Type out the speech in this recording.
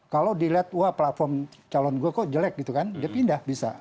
kalau dilihat wah platform calon gue kok jelek gitu kan dia pindah bisa